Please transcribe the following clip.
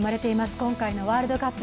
今回のワールドカップ